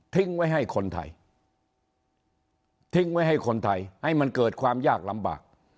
ไว้ให้คนไทยทิ้งไว้ให้คนไทยให้มันเกิดความยากลำบาก